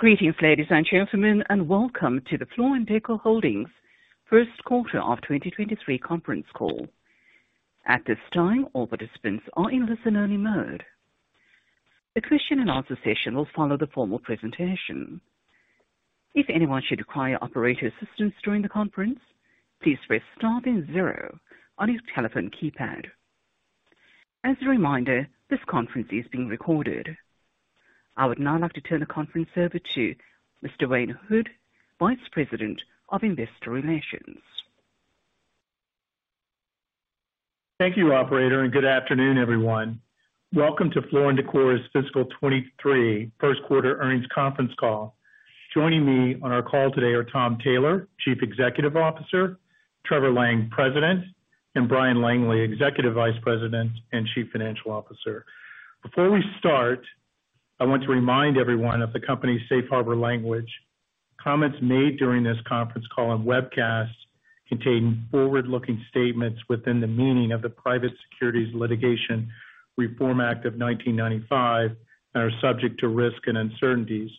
Greetings, ladies and gentlemen, and welcome to the Floor & Decor Holdings first quarter of 2023 conference call. At this time, all participants are in listen-only mode. A question-and-answer session will follow the formal presentation. If anyone should require operator assistance during the conference, please press star then zero on his telephone keypad. As a reminder, this conference is being recorded. I would now like to turn the conference over to Mr. Wayne Hood, Vice President of Investor Relations. Thank you, operator. Good afternoon, everyone. Welcome to Floor & Decor's fiscal 23 first quarter earnings conference call. Joining me on our call today are Tom Taylor, Chief Executive Officer, Trevor Lang, President, and Bryan Langley, Executive Vice President and Chief Financial Officer. Before we start, I want to remind everyone of the company's safe harbor language. Comments made during this conference call and webcast contain forward-looking statements within the meaning of the Private Securities Litigation Reform Act of 1995 and are subject to risk and uncertainties.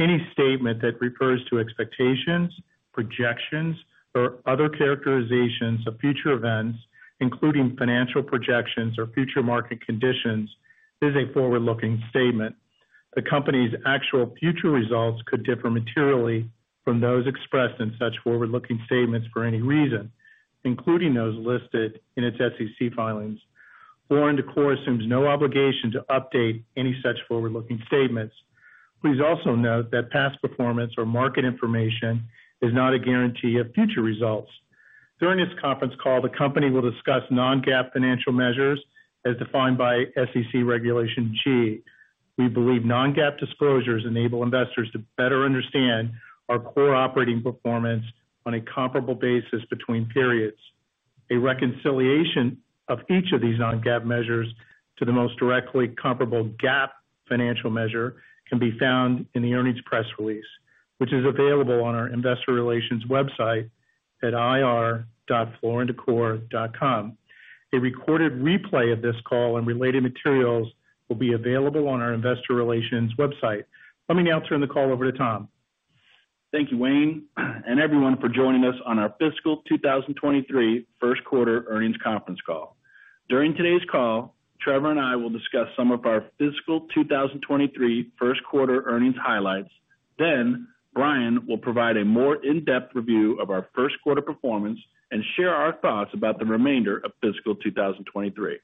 Any statement that refers to expectations, projections, or other characterizations of future events, including financial projections or future market conditions, is a forward-looking statement. The Company's actual future results could differ materially from those expressed in such forward-looking statements for any reason, including those listed in its SEC filings. Floor & Decor assumes no obligation to update any such forward-looking statements. Please also note that past performance or market information is not a guarantee of future results. During this conference call, the company will discuss Non-GAAP financial measures as defined by SEC Regulation G. We believe Non-GAAP disclosures enable investors to better understand our core operating performance on a comparable basis between periods. A reconciliation of each of these Non-GAAP measures to the most directly comparable GAAP financial measure can be found in the earnings press release, which is available on our investor relations website at ir.flooranddecor.com. A recorded replay of this call and related materials will be available on our investor relations website. Let me now turn the call over to Tom. Thank you, Wayne Hood, everyone for joining us on our fiscal 2023 first quarter earnings conference call. During today's call, Trevor Lang and I will discuss some of our fiscal 2023 first quarter earnings highlights. Bryan Langley will provide a more in-depth review of our first quarter performance and share our thoughts about the remainder of fiscal 2023.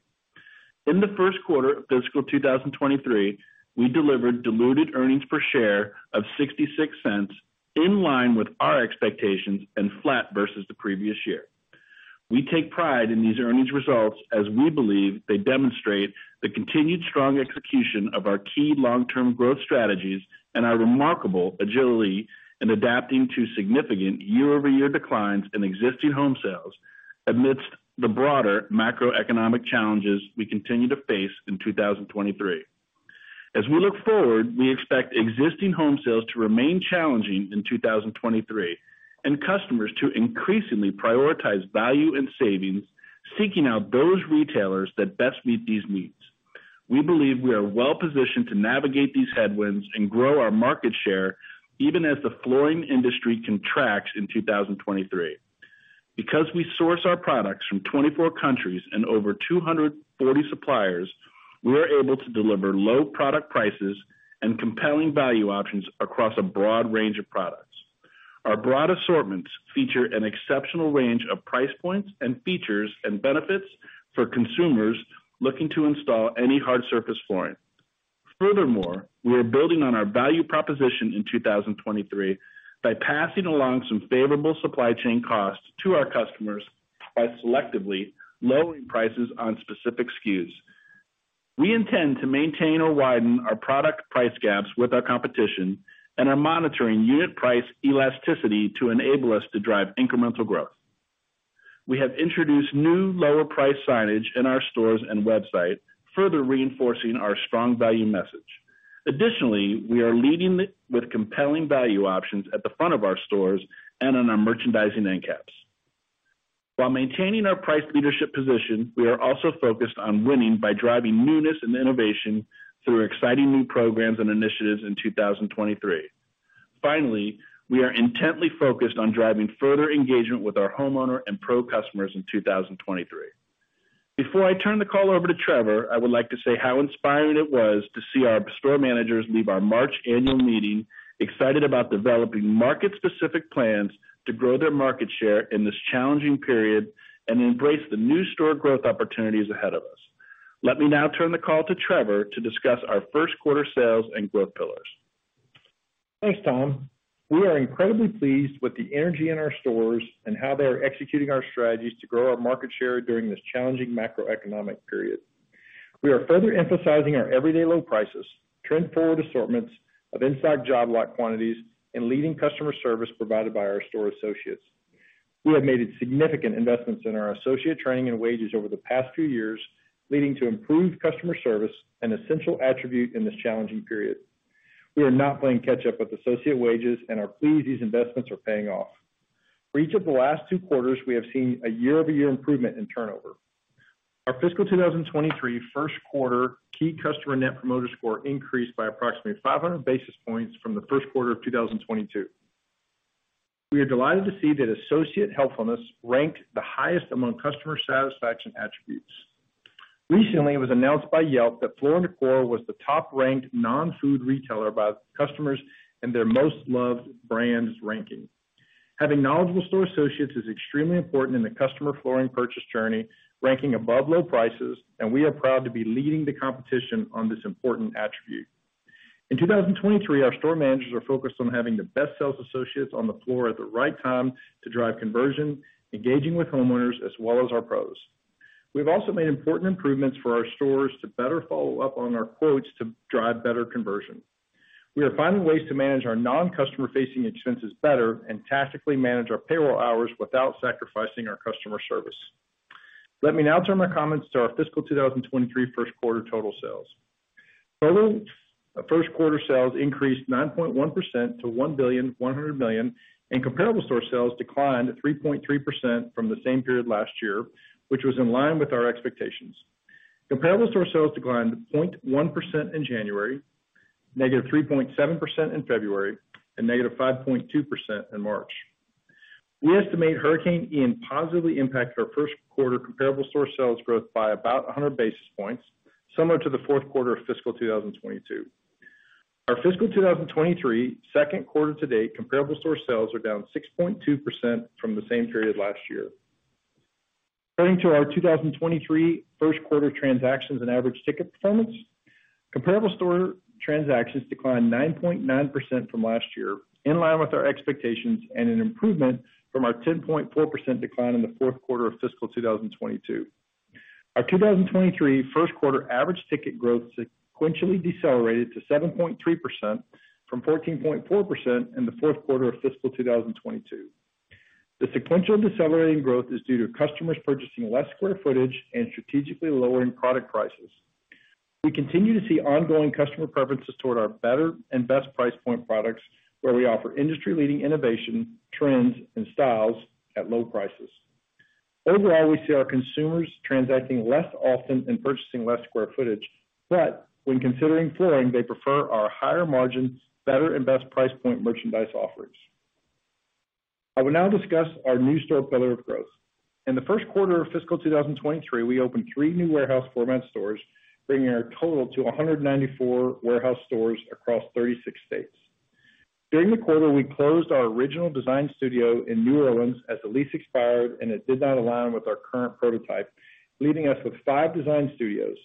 In the first quarter of fiscal 2023, we delivered diluted earnings per share of $0.66, in line with our expectations and flat versus the previous year. We take pride in these earnings results as we believe they demonstrate the continued strong execution of our key long-term growth strategies and our remarkable agility in adapting to significant year-over-year declines in existing home sales amidst the broader macroeconomic challenges we continue to face in 2023. As we look forward, we expect existing home sales to remain challenging in 2023 and customers to increasingly prioritize value and savings, seeking out those retailers that best meet these needs. We believe we are well-positioned to navigate these headwinds and grow our market share even as the flooring industry contracts in 2023. Because we source our products from 24 countries and over 240 suppliers, we are able to deliver low product prices and compelling value options across a broad range of products. Our broad assortments feature an exceptional range of price points and features and benefits for consumers looking to install any hard surface flooring. Furthermore, we are building on our value proposition in 2023 by passing along some favorable supply chain costs to our customers by selectively lowering prices on specific SKUs. We intend to maintain or widen our product price gaps with our competition and are monitoring unit price elasticity to enable us to drive incremental growth. We have introduced new lower price signage in our stores and website, further reinforcing our strong value message. Additionally, we are leading with compelling value options at the front of our stores and on our merchandising end caps. While maintaining our price leadership position, we are also focused on winning by driving newness and innovation through exciting new programs and initiatives in 2023. Finally, we are intently focused on driving further engagement with our homeowner and pro customers in 2023. Before I turn the call over to Trevor, I would like to say how inspiring it was to see our store managers leave our March annual meeting excited about developing market-specific plans to grow their market share in this challenging period and embrace the new store growth opportunities ahead of us. Let me now turn the call to Trevor to discuss our first quarter sales and growth pillars. Thanks, Tom. We are incredibly pleased with the energy in our stores and how they are executing our strategies to grow our market share during this challenging macroeconomic period. We are further emphasizing our everyday low prices, trend forward assortments of in-stock job lot quantities, and leading customer service provided by our store associates. We have made significant investments in our associate training and wages over the past few years, leading to improved customer service, an essential attribute in this challenging period. We are not playing catch up with associate wages and are pleased these investments are paying off. For each of the last two quarters, we have seen a year-over-year improvement in turnover. Our fiscal 2023 first quarter key customer Net Promoter Score increased by approximately 500 basis points from the first quarter of 2022. We are delighted to see that associate helpfulness ranked the highest among customer satisfaction attributes. Recently, it was announced by Yelp that Floor & Decor was the top-ranked non-food retailer by customers and their most loved brands ranking. Having knowledgeable store associates is extremely important in the customer flooring purchase journey, ranking above low prices, and we are proud to be leading the competition on this important attribute. In 2023, our store managers are focused on having the best sales associates on the floor at the right time to drive conversion, engaging with homeowners as well as our pros. We've also made important improvements for our stores to better follow up on our quotes to drive better conversion. We are finding ways to manage our non-customer facing expenses better and tactically manage our payroll hours without sacrificing our customer service. Let me now turn my comments to our fiscal 2023 first quarter total sales. Total first quarter sales increased 9.1% to $1.1 billion. Comparable store sales declined 3.3% from the same period last year, which was in line with our expectations. Comparable store sales declined 0.1% in January, -3.7% in February, and -5.2% in March. We estimate Hurricane Ian positively impacted our first quarter comparable store sales growth by about 100 basis points, similar to the fourth quarter of fiscal 2022. Our fiscal 2023 second quarter to date comparable store sales are down 6.2% from the same period last year. Turning to our 2023 first quarter transactions and average ticket performance. Comparable store transactions declined 9.9% from last year, in line with our expectations and an improvement from our 10.4% decline in the fourth quarter of fiscal 2022. Our 2023 first quarter average ticket growth sequentially decelerated to 7.3% from 14.4% in the fourth quarter of fiscal 2022. The sequential decelerating growth is due to customers purchasing less square footage and strategically lowering product prices. We continue to see ongoing customer preferences toward our better and best price point products where we offer industry-leading innovation, trends, and styles at low prices. We see our consumers transacting less often and purchasing less square footage. When considering flooring, they prefer our higher margins, better and best price point merchandise offerings. I will now discuss our new store pillar of growth. In the 1st quarter of fiscal 2023, we opened 3 new warehouse format stores, bringing our total to 194 warehouse stores across 36 states. During the quarter, we closed our original design studio in New Orleans as the lease expired, and it did not align with our current prototype, leaving us with five design studios.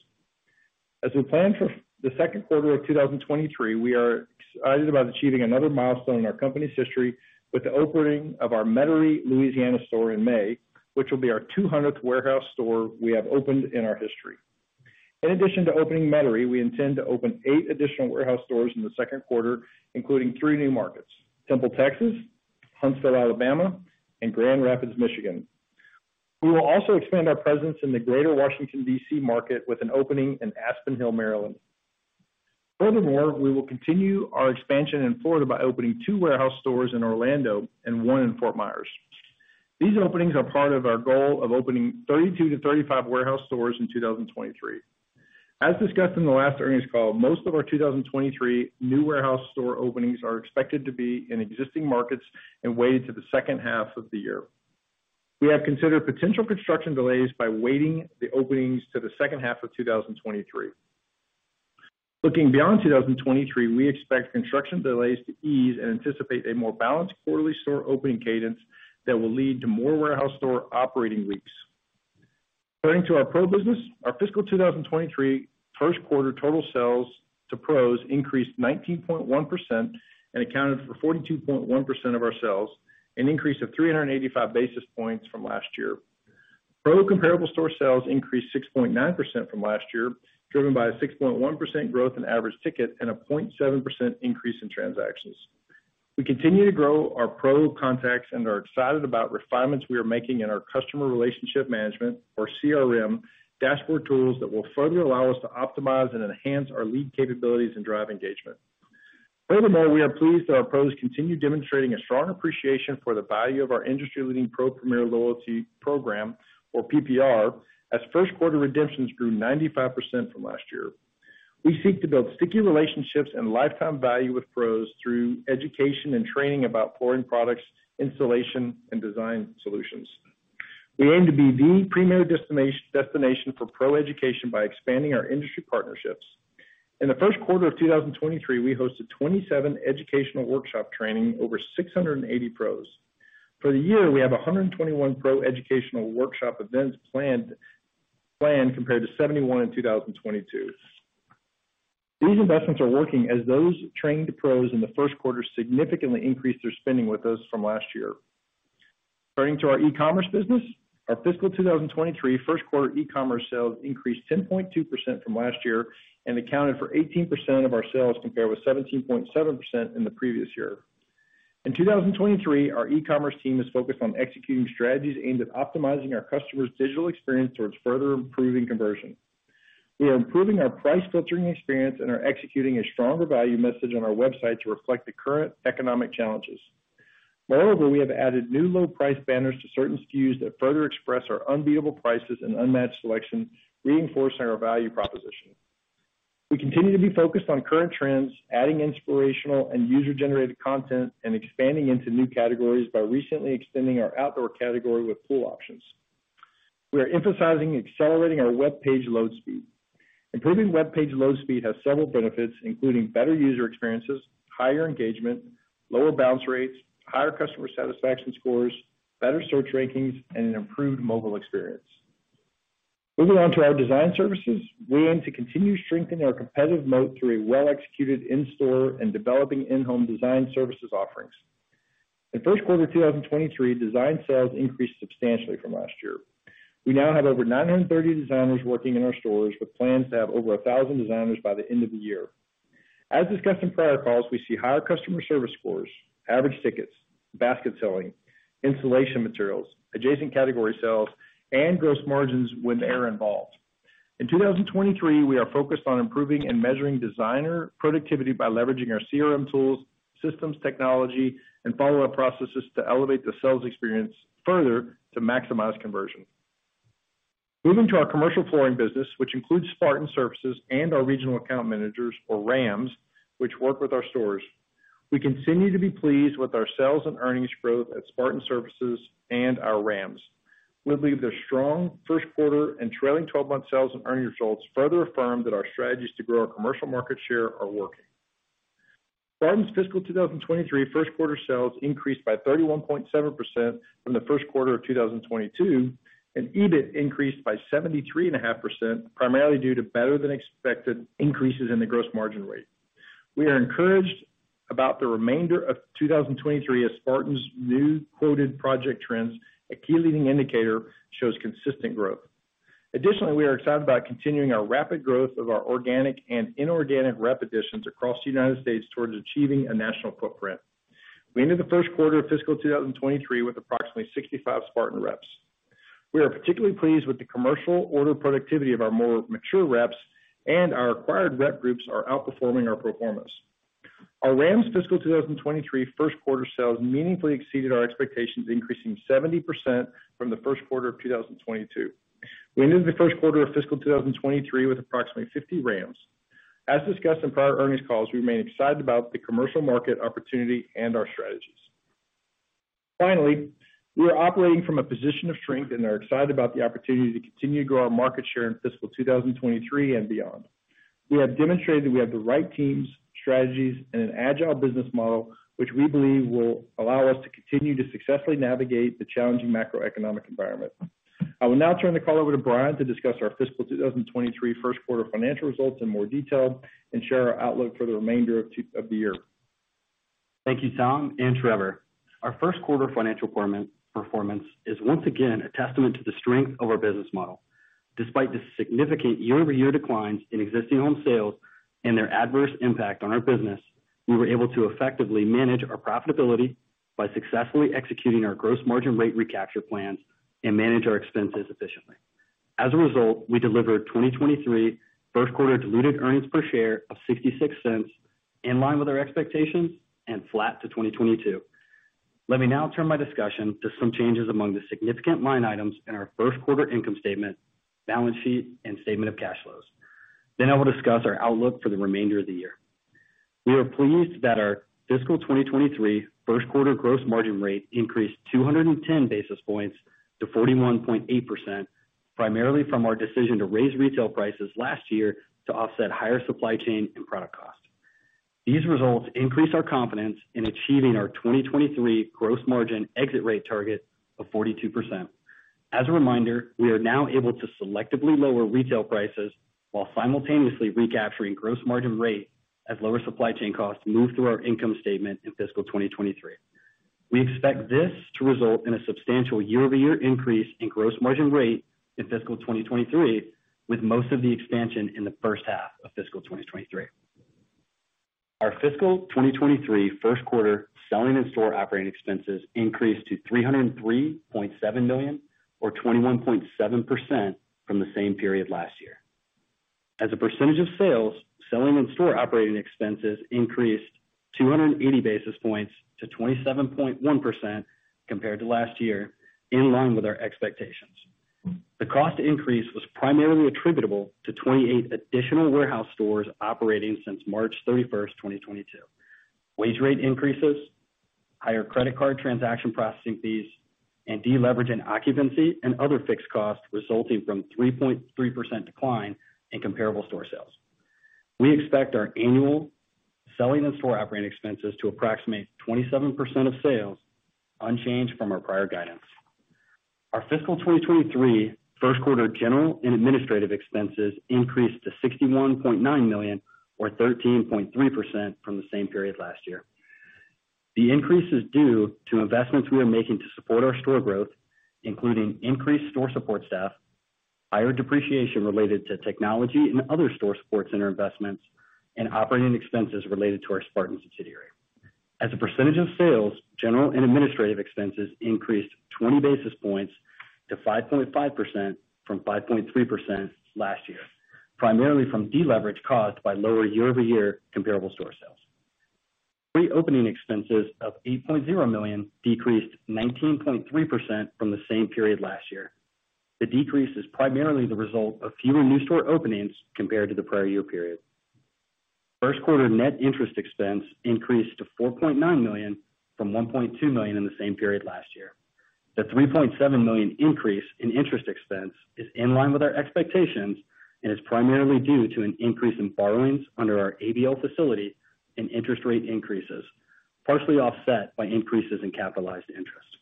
As we plan for the 2nd quarter of 2023, we are excited about achieving another milestone in our company's history with the opening of our Metairie, Louisiana store in May, which will be our 200th warehouse store we have opened in our history. Addition to opening Metairie, we intend to open eight additional warehouse stores in the second quarter, including three new markets: Temple, Texas, Huntsville, Alabama, and Grand Rapids, Michigan. We will also expand our presence in the greater Washington, D.C. market with an opening in Aspen Hill, Maryland. Furthermore, we will continue our expansion in Florida by opening two warehouse stores in Orlando and 1 in Fort Myers. These openings are part of our goal of opening 32-35 warehouse stores in 2023. As discussed in the last earnings call, most of our 2023 new warehouse store openings are expected to be in existing markets and weighted to the second half of the year. We have considered potential construction delays by weighting the openings to the second half of 2023. Looking beyond 2023, we expect construction delays to ease and anticipate a more balanced quarterly store opening cadence that will lead to more warehouse store operating weeks. Turning to our pro business. Our fiscal 2023 1st quarter total sales to pros increased 19.1% and accounted for 42.1% of our sales, an increase of 385 basis points from last year. Pro comparable store sales increased 6.9% from last year, driven by a 6.1% growth in average ticket and a 0.7% increase in transactions. We continue to grow our pro contacts and are excited about refinements we are making in our customer relationship management, or CRM, dashboard tools that will further allow us to optimize and enhance our lead capabilities and drive engagement. We are pleased that our pros continue demonstrating a strong appreciation for the value of our industry-leading PRO Premier Loyalty program, or PPR, as first quarter redemptions grew 95% from last year. We seek to build sticky relationships and lifetime value with pros through education and training about flooring products, installation, and design solutions. We aim to be the premier destination for pro education by expanding our industry partnerships. In the first quarter of 2023, we hosted 27 educational workshop training over 680 PROs. For the year, we have 121 PRO educational workshop events planned compared to 71 in 2022. These investments are working as those trained PROs in the first quarter significantly increased their spending with us from last year. Turning to our e-commerce business. Our fiscal 2023 first quarter e-commerce sales increased 10.2% from last year and accounted for 18% of our sales, compared with 17.7% in the previous year. In 2023, our e-commerce team is focused on executing strategies aimed at optimizing our customers' digital experience towards further improving conversion. We are improving our price filtering experience and are executing a stronger value message on our website to reflect the current economic challenges. We have added new low price banners to certain SKUs that further express our unbeatable prices and unmatched selection, reinforcing our value proposition. We continue to be focused on current trends, adding inspirational and user-generated content, and expanding into new categories by recently extending our outdoor category with pool options. We are emphasizing accelerating our webpage load speed. Improving webpage load speed has several benefits, including better user experiences, higher engagement, lower bounce rates, higher customer satisfaction scores, better search rankings, and an improved mobile experience. On to our design services. We aim to continue strengthening our competitive moat through a well-executed in-store and developing in-home design services offerings. In 1st quarter 2023, design sales increased substantially from last year. We now have over 930 designers working in our stores, with plans to have over 1,000 designers by the end of the year. As discussed in prior calls, we see higher customer service scores, average tickets, basket selling, installation materials, adjacent category sales, and gross margins when they are involved. In 2023, we are focused on improving and measuring designer productivity by leveraging our CRM tools, systems, technology, and follow-up processes to elevate the sales experience further to maximize conversion. Moving to our commercial flooring business, which includes Spartan Services and our Regional Account Managers, or RAMs, which work with our stores. We continue to be pleased with our sales and earnings growth at Spartan Services and our RAMs. We believe their strong first quarter and trailing twelve-month sales and earning results further affirm that our strategies to grow our commercial market share are working. Spartan's fiscal 2023 first quarter sales increased by 31.7% from the first quarter of 2022, and EBIT increased by 73.5%, primarily due to better than expected increases in the gross margin rate. We are encouraged about the remainder of 2023 as Spartan's new quoted project trends, a key leading indicator, shows consistent growth. Additionally, we are excited about continuing our rapid growth of our organic and inorganic rep additions across the United States towards achieving a national footprint. We ended the first quarter of fiscal 2023 with approximately 65 Spartan reps. We are particularly pleased with the commercial order productivity of our more mature reps, and our acquired rep groups are outperforming our pro formas. Our RAM's fiscal 2023 first quarter sales meaningfully exceeded our expectations, increasing 70% from the first quarter of 2022. We ended the first quarter of fiscal 2023 with approximately 50 RAMs. As discussed in prior earnings calls, we remain excited about the commercial market opportunity and our strategies. Finally, we are operating from a position of strength and are excited about the opportunity to continue to grow our market share in fiscal 2023 and beyond. We have demonstrated that we have the right teams, strategies, and an agile business model, which we believe will allow us to continue to successfully navigate the challenging macroeconomic environment. I will now turn the call over to Bryan to discuss our fiscal 2023 first quarter financial results in more detail and share our outlook for the remainder of the year. Thank you, Tom and Trevor. Our first quarter financial performance is once again a testament to the strength of our business model. Despite the significant year-over-year declines in existing home sales and their adverse impact on our business, we were able to effectively manage our profitability by successfully executing our gross margin rate recapture plans and manage our expenses efficiently. As a result, we delivered 2023 first quarter diluted earnings per share of $0.66, in line with our expectations and flat to 2022. Let me now turn my discussion to some changes among the significant line items in our first quarter income statement, balance sheet, and statement of cash flows. I will discuss our outlook for the remainder of the year. We are pleased that our fiscal 2023 first quarter gross margin rate increased 210 basis points to 41.8%, primarily from our decision to raise retail prices last year to offset higher supply chain and product costs. These results increase our confidence in achieving our 2023 gross margin exit rate target of 42%. As a reminder, we are now able to selectively lower retail prices while simultaneously recapturing gross margin rate as lower supply chain costs move through our income statement in fiscal 2023. We expect this to result in a substantial year-over-year increase in gross margin rate in fiscal 2023, with most of the expansion in the first half of fiscal 2023. Our fiscal 2023 first quarter selling and store operating expenses increased to $303.7 million or 21.7% from the same period last year. As a percentage of sales, selling and store operating expenses increased 280 basis points to 27.1% compared to last year, in line with our expectations. The cost increase was primarily attributable to 28 additional warehouse stores operating since March 31st, 2022. Wage rate increases, higher credit card transaction processing fees, and deleveraging occupancy and other fixed costs resulting from 3.3% decline in comparable store sales. We expect our annual selling and store operating expenses to approximate 27% of sales, unchanged from our prior guidance. Our fiscal 2023 first quarter general and administrative expenses increased to $61.9 million or 13.3% from the same period last year. The increase is due to investments we are making to support our store growth, including increased store support staff, higher depreciation related to technology and other store support center investments, and operating expenses related to our Spartan subsidiary. As a percentage of sales, general and administrative expenses increased 20 basis points to 5.5% from 5.3% last year. Primarily from deleverage caused by lower year-over-year comparable store sales. Pre-opening expenses of $8.0 million decreased 19.3% from the same period last year. The decrease is primarily the result of fewer new store openings compared to the prior year period. First quarter net interest expense increased to $4.9 million from $1.2 million in the same period last year. The $3.7 million increase in interest expense is in line with our expectations and is primarily due to an increase in borrowings under our ABL facility and interest rate increases, partially offset by increases in capitalized interest.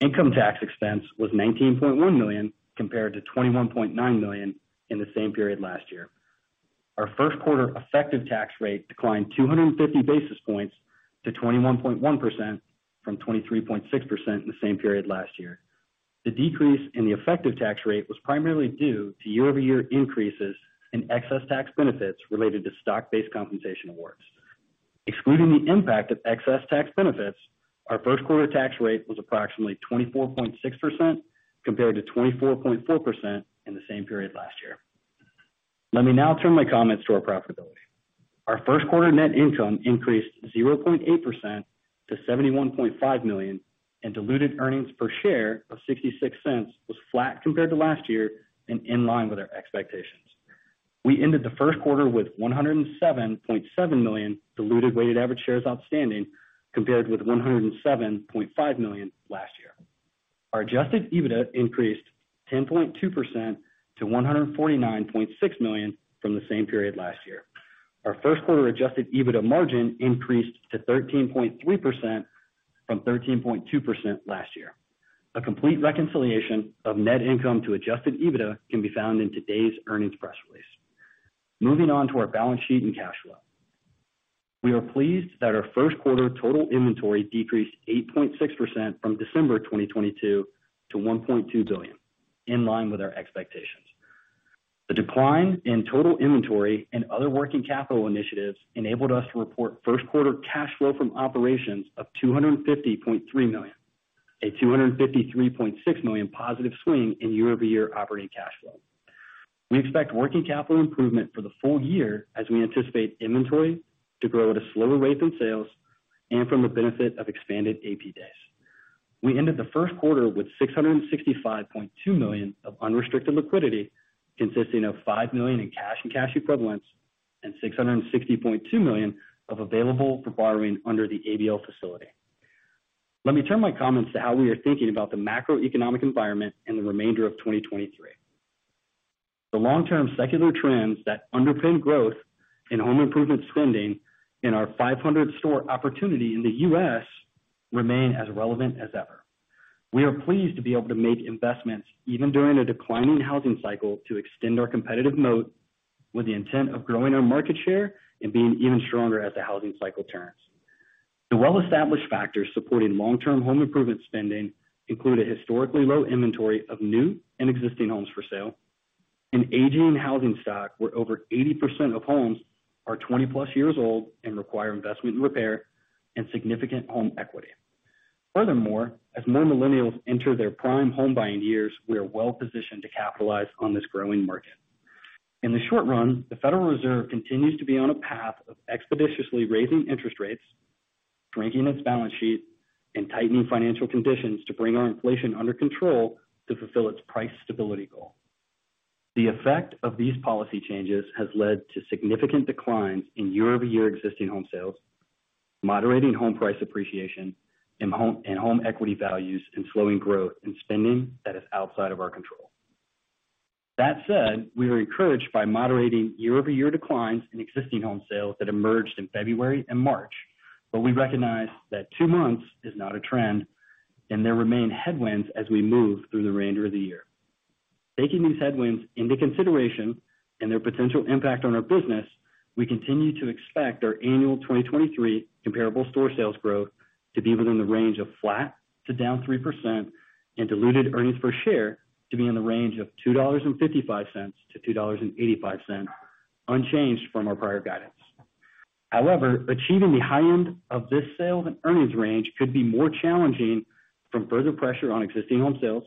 Income tax expense was $19.1 million compared to $21.9 million in the same period last year. Our first quarter effective tax rate declined 250 basis points to 21.1% from 23.6% in the same period last year. The decrease in the effective tax rate was primarily due to year-over-year increases in excess tax benefits related to stock-based compensation awards. Excluding the impact of excess tax benefits, our first quarter tax rate was approximately 24.6% compared to 24.4% in the same period last year. Let me now turn my comments to our profitability. Our first quarter net income increased 0.8% to $71.5 million, and diluted earnings per share of $0.66 was flat compared to last year and in line with our expectations. We ended the first quarter with 107.7 million diluted weighted average shares outstanding compared with 107.5 million last year. Our Adjusted EBITDA increased 10.2% to $149.6 million from the same period last year. Our first quarter Adjusted EBITDA margin increased to 13.3% from 13.2% last year. A complete reconciliation of net income to Adjusted EBITDA can be found in today's earnings press release. Moving on to our balance sheet and cash flow. We are pleased that our first quarter total inventory decreased 8.6% from December 2022 to $1.2 billion, in line with our expectations. The decline in total inventory and other working capital initiatives enabled us to report first quarter cash flow from operations of $250.3 million, a $253.6 million positive swing in year-over-year operating cash flow. We expect working capital improvement for the full year as we anticipate inventory to grow at a slower rate than sales and from the benefit of expanded AP days. We ended the first quarter with $665.2 million of unrestricted liquidity, consisting of $5 million in cash and cash equivalents, and $660.2 million of available for borrowing under the ABL facility. Let me turn my comments to how we are thinking about the macroeconomic environment in the remainder of 2023. The long-term secular trends that underpin growth in home improvement spending in our 500-store opportunity in the U.S. remain as relevant as ever. We are pleased to be able to make investments even during a declining housing cycle to extend our competitive moat with the intent of growing our market share and being even stronger as the housing cycle turns. The well-established factors supporting long-term home improvement spending include a historically low inventory of new and existing homes for sale, an aging housing stock where over 80% of homes are 20+ years old and require investment and repair, and significant home equity. As more millennials enter their prime home buying years, we are well-positioned to capitalize on this growing market. In the short run, the Federal Reserve continues to be on a path of expeditiously raising interest rates, shrinking its balance sheet, and tightening financial conditions to bring our inflation under control to fulfill its price stability goal. The effect of these policy changes has led to significant declines in year-over-year existing home sales, moderating home price appreciation and home equity values, and slowing growth in spending that is outside of our control. That said, we are encouraged by moderating year-over-year declines in existing home sales that emerged in February and March, but we recognize that two months is not a trend and there remain headwinds as we move through the remainder of the year. Taking these headwinds into consideration and their potential impact on our business, we continue to expect our annual 2023 comparable store sales growth to be within the range of flat to down 3% and diluted earnings per share to be in the range of $2.55-$2.85, unchanged from our prior guidance. However, achieving the high end of this sales and earnings range could be more challenging from further pressure on existing home sales,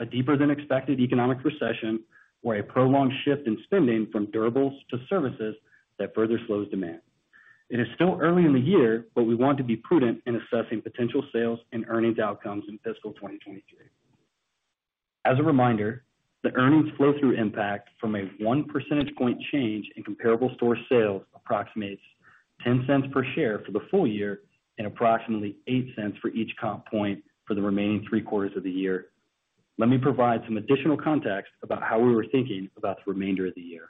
a deeper than expected economic recession, or a prolonged shift in spending from durables to services that further slows demand. It is still early in the year, we want to be prudent in assessing potential sales and earnings outcomes in fiscal 2023. As a reminder, the earnings flow-through impact from a one percentage point change in comparable store sales approximates $0.10 per share for the full year and approximately $0.08 for each comp point for the remaining three quarters of the year. Let me provide some additional context about how we were thinking about the remainder of the year.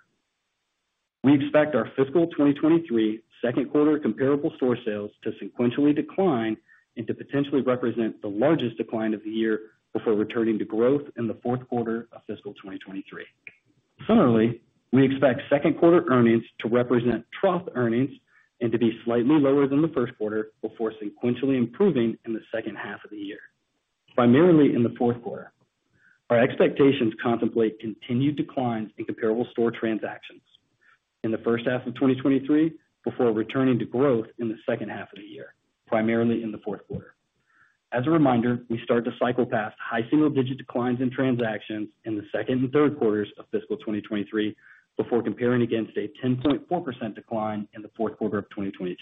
We expect our fiscal 2023 second quarter comparable store sales to sequentially decline and to potentially represent the largest decline of the year before returning to growth in the fourth quarter of fiscal 2023. Similarly, we expect second quarter earnings to represent trough earnings and to be slightly lower than the first quarter before sequentially improving in the second half of the year, primarily in the fourth quarter. Our expectations contemplate continued declines in comparable store transactions. In the first half of 2023, before returning to growth in the second half of the year, primarily in the fourth quarter. As a reminder, we start to cycle past high single digit declines in transactions in the second and third quarters of fiscal 2023, before comparing against a 10.4% decline in the fourth quarter of 2022.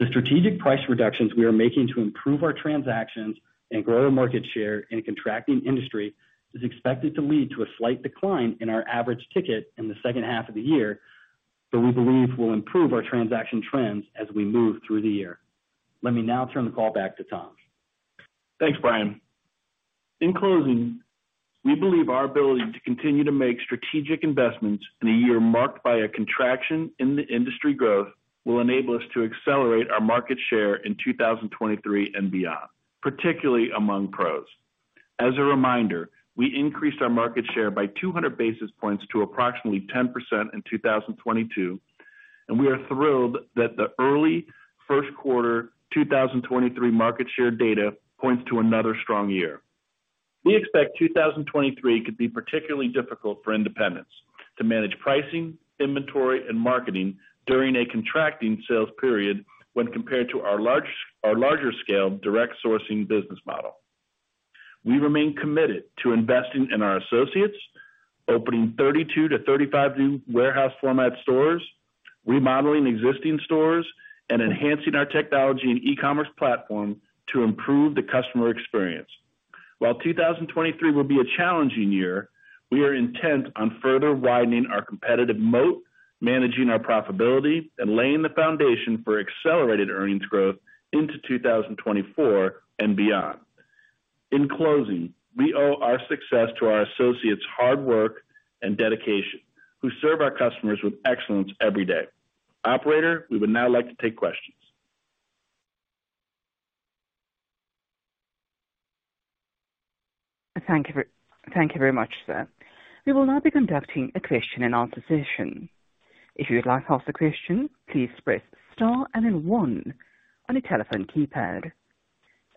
The strategic price reductions we are making to improve our transactions and grow our market share in a contracting industry is expected to lead to a slight decline in our average ticket in the second half of the year, but we believe will improve our transaction trends as we move through the year. Let me now turn the call back to Tom. Thanks, Bryan. In closing, we believe our ability to continue to make strategic investments in a year marked by a contraction in the industry growth will enable us to accelerate our market share in 2023 and beyond, particularly among pros. As a reminder, we increased our market share by 200 basis points to approximately 10% in 2022, and we are thrilled that the early first quarter 2023 market share data points to another strong year. We expect 2023 could be particularly difficult for independents to manage pricing, inventory, and marketing during a contracting sales period when compared to our larger scale direct sourcing business model. We remain committed to investing in our associates, opening 32-35 new warehouse format stores, remodeling existing stores, and enhancing our technology and e-commerce platform to improve the customer experience. While 2023 will be a challenging year, we are intent on further widening our competitive moat, managing our profitability, and laying the foundation for accelerated earnings growth into 2024 and beyond. In closing, we owe our success to our associates' hard work and dedication, who serve our customers with excellence every day. Operator, we would now like to take questions. Thank you very much, sir. We will now be conducting a question-and-answer session. If you would like to ask a question, please press star and then one on your telephone keypad.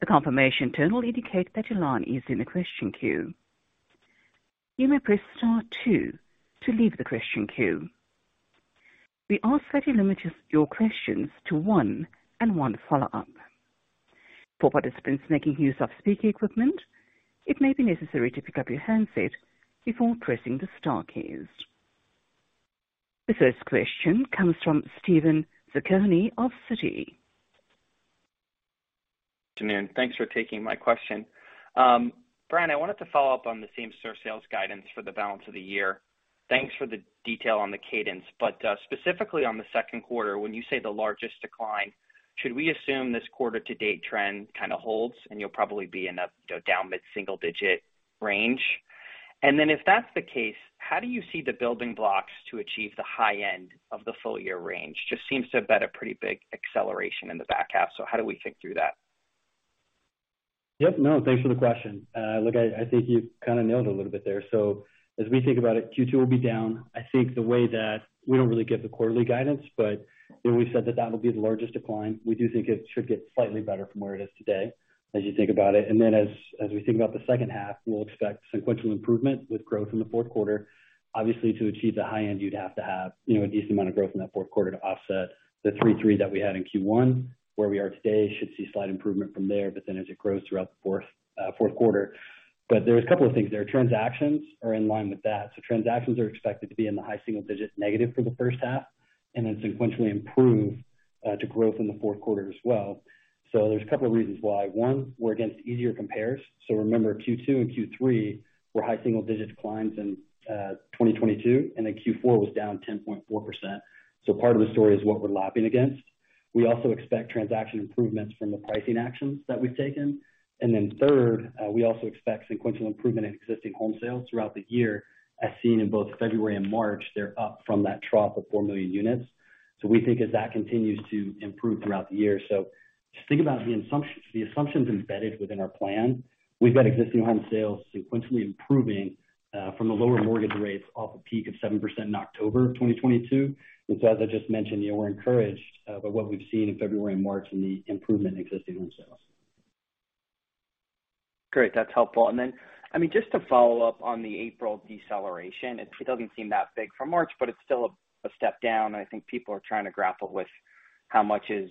A confirmation tone will indicate that your line is in the question queue. You may press star two to leave the question queue. We ask that you limit your questions to one and one follow-up. For participants making use of speaker equipment, it may be necessary to pick up your handset before pressing the star keys. The first question comes from Steven Zaccone of Citi. Good afternoon. Thanks for taking my question. Brian, I wanted to follow up on the same-store sales guidance for the balance of the year. Thanks for the detail on the cadence, but specifically on the second quarter, when you say the largest decline, should we assume this quarter to date trend kinda holds and you'll probably be in a, you know, down mid-single digit range? If that's the case, how do you see the building blocks to achieve the high end of the full year range? Just seems to have been a pretty big acceleration in the back half. How do we think through that? Yep, no, thanks for the question. Look, I think you kinda nailed it a little bit there. As we think about it, Q2 will be down. I think the way that we don't really give the quarterly guidance, but we said that that will be the largest decline. We do think it should get slightly better from where it is today as you think about it. As we think about the second half, we'll expect sequential improvement with growth in the fourth quarter. Obviously, to achieve the high end, you'd have to have, you know, a decent amount of growth in that fourth quarter to offset the three-three that we had in Q1. Where we are today should see slight improvement from there, as it grows throughout the fourth quarter. There's a couple of things there. Transactions are in line with that. Transactions are expected to be in the high single digits negative for the first half, and then sequentially improve to growth in the fourth quarter as well. There's a couple of reasons why. One, we're against easier compares. Remember, Q2 and Q3 were high single digit declines in 2022, and then Q4 was down 10.4%. Part of the story is what we're lapping against. We also expect transaction improvements from the pricing actions that we've taken. Third, we also expect sequential improvement in existing home sales throughout the year, as seen in both February and March, they're up from that trough of 4 million units. We think as that continues to improve throughout the year. Just think about the assumptions embedded within our plan. We've got existing home sales sequentially improving, from the lower mortgage rates off a peak of 7% in October of 2022. As I just mentioned, you know, we're encouraged, by what we've seen in February and March and the improvement in existing home sales. Great. That's helpful. I mean, just to follow up on the April deceleration, it doesn't seem that big from March, but it's still a step down, and I think people are trying to grapple with how much is,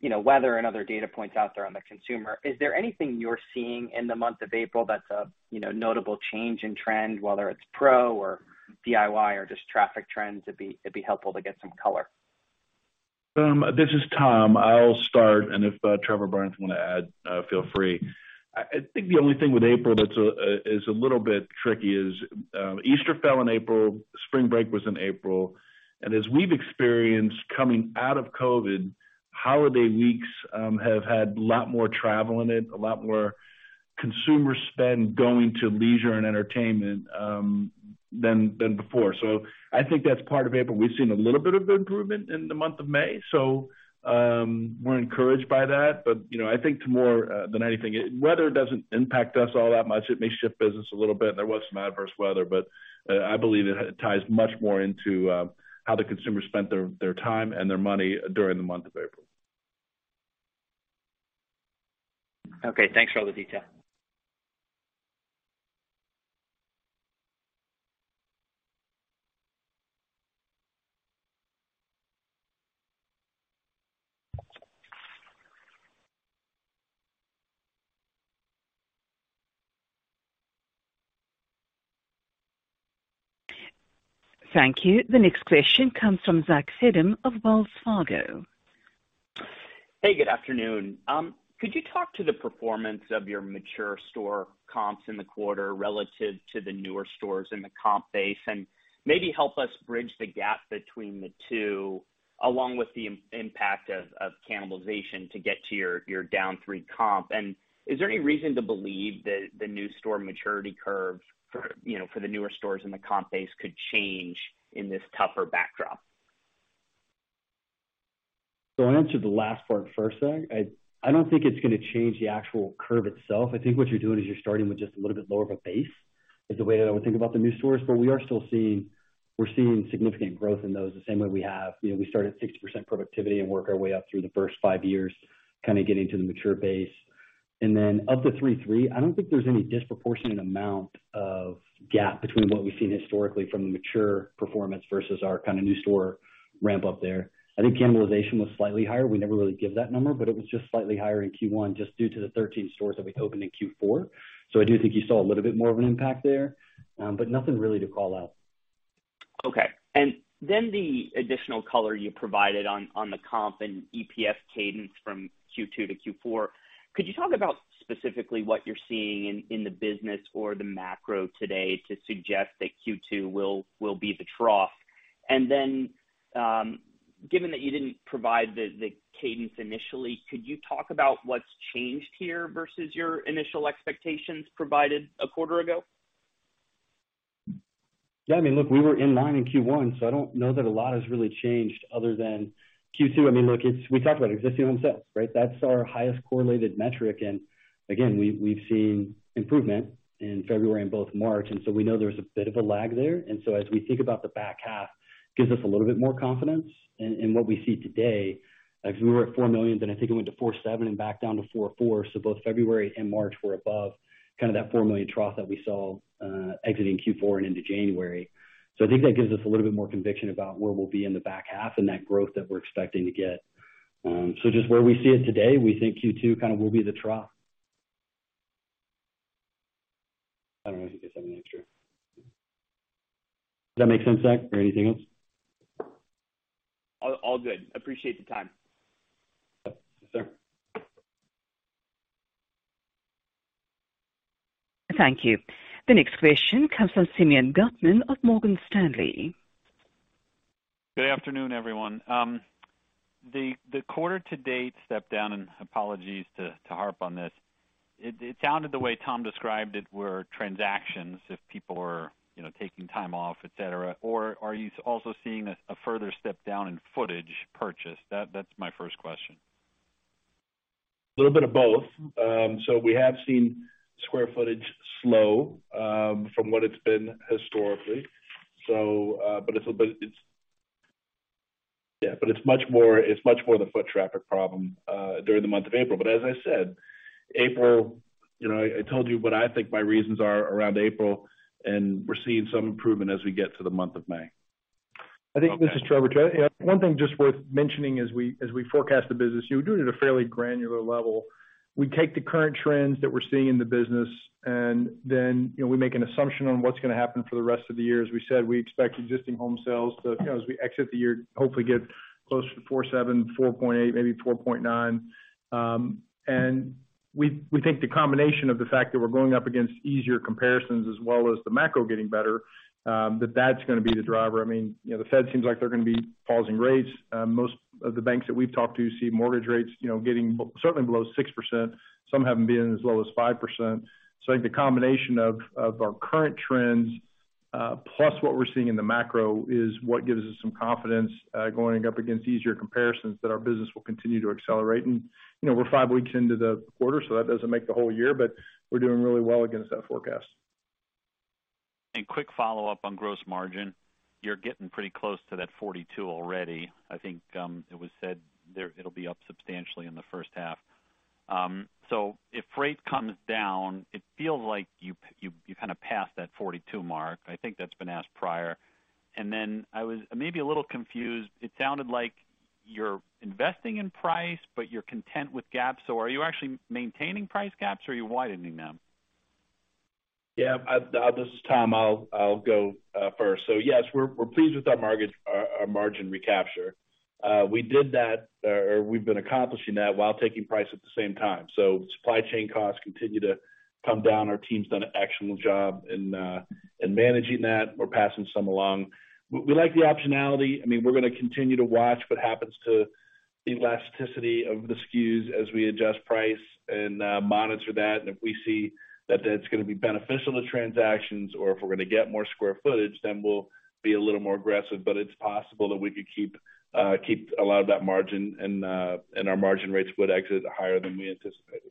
you know, weather and other data points out there on the consumer. Is there anything you're seeing in the month of April that's a notable change in trend, whether it's pro or DIY or just traffic trends? It'd be helpful to get some color. This is Tom. I'll start, if Trevor Lang wanna add, feel free. I think the only thing with April that's a little bit tricky is Easter fell in April, spring break was in April. As we've experienced coming out of COVID, holiday weeks have had a lot more travel in it, a lot more consumer spend going to leisure and entertainment than before. I think that's part of April. We've seen a little bit of improvement in the month of May, so we're encouraged by that. You know, I think more than anything, weather doesn't impact us all that much. It may shift business a little bit. There was some adverse weather, but, I believe it ties much more into, how the consumer spent their time and their money during the month of April. Okay, thanks for all the detail. Thank you. The next question comes from Zachary Fadem of Wells Fargo. Hey, good afternoon. Could you talk to the performance of your mature store comps in the quarter relative to the newer stores in the comp base, and maybe help us bridge the gap between the two, along with the impact of cannibalization to get to your down 3 comp? Is there any reason to believe that the new store maturity curves for, you know, for the newer stores in the comp base could change in this tougher backdrop? I'll answer the last part first, Zachary Fadem. I don't think it's gonna change the actual curve itself. I think what you're doing is you're starting with just a little bit lower of a base, is the way that I would think about the new stores. We're seeing significant growth in those the same way we have. You know, we start at 60% productivity and work our way up through the first five years, kinda getting to the mature base. Up to 3-3, I don't think there's any disproportionate amount of gap between what we've seen historically from the mature performance versus our kinda new store ramp up there. I think cannibalization was slightly higher. We never really give that number, it was just slightly higher in Q1, just due to the 13 stores that we opened in Q4. I do think you saw a little bit more of an impact there, but nothing really to call out. The additional color you provided on the comp and EPS cadence from Q2 to Q4, could you talk about specifically what you're seeing in the business or the macro today to suggest that Q2 will be the trough? Given that you didn't provide the cadence initially, could you talk about what's changed here versus your initial expectations provided a quarter ago? Yeah. I mean, look, we were in line in Q1. I don't know that a lot has really changed other than Q2. I mean, look, we talked about existing home sales, right? That's our highest correlated metric. Again, we've seen improvement in February and both March, we know there's a bit of a lag there. As we think about the back half, gives us a little bit more confidence in what we see today. We were at $4 million, then I think it went to 4.7 million and back down to 4.4 million. Both February and March were above kind of that $4 million trough that we saw exiting Q4 and into January. I think that gives us a little bit more conviction about where we'll be in the back half and that growth that we're expecting to get. Just where we see it today, we think Q2 kind of will be the trough. I don't know if you guys have anything to add to that. Does that make sense, Zach, or anything else? All good. Appreciate the time. Yes, sir. Thank you. The next question comes from Simeon Gutman of Morgan Stanley. Good afternoon, everyone. The quarter to date stepped down, and apologies to harp on this. It sounded the way Tom described it were transactions if people were, you know, taking time off, et cetera. Are you also seeing a further step down in footage purchased? That's my first question. A little bit of both. We have seen square footage slow from what it's been historically. It's much more, it's much more the foot traffic problem during the month of April. As I said, April, you know, I told you what I think my reasons are around April, and we're seeing some improvement as we get to the month of May. I think this is Trevor. Yeah, one thing just worth mentioning as we forecast the business, you know, we do it at a fairly granular level. We take the current trends that we're seeing in the business, and then, you know, we make an assumption on what's gonna happen for the rest of the year. As we said, we expect existing home sales to, you know, as we exit the year, hopefully get close to 4.7, 4.8, maybe 4.9. We think the combination of the fact that we're going up against easier comparisons as well as the macro getting better, that's gonna be the driver. I mean, you know, the Fed seems like they're gonna be pausing rates. Most of the banks that we've talked to see mortgage rates, you know, getting certainly below 6%. Some have them being as low as 5%. I think the combination of our current trends, plus what we're seeing in the macro is what gives us some confidence, going up against easier comparisons that our business will continue to accelerate. You know, we're five weeks into the quarter, that doesn't make the whole year, but we're doing really well against that forecast. Quick follow-up on gross margin. You're getting pretty close to that 42 already. I think it was said it'll be up substantially in the first half. If freight comes down, it feels like you kinda pass that 42 mark. I think that's been asked prior. Then I was maybe a little confused. It sounded like you're investing in price, but you're content with gaps. Are you actually maintaining price gaps or are you widening them? Yeah. This is Tom. I'll go first. Yes, we're pleased with our margin recapture. We did that, or we've been accomplishing that while taking price at the same time. Supply chain costs continue to come down. Our team's done an excellent job in managing that. We're passing some along. We like the optionality. I mean, we're gonna continue to watch what happens to the elasticity of the SKUs as we adjust price and monitor that. If we see that that's gonna be beneficial to transactions or if we're gonna get more square footage, then we'll be a little more aggressive. It's possible that we could keep a lot of that margin and our margin rates would exit higher than we anticipated.